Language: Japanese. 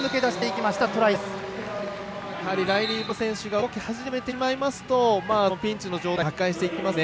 ライリー・バット選手が動き始めてしまいますとピンチの状態打開していきますね。